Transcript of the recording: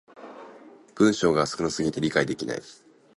文章が少な過ぎて理解できない